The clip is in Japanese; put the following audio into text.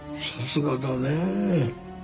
さすがだねえ。